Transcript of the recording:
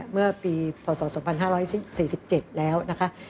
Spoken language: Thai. เมื่อปีพศ๒๕๔๗แล้วนะคะ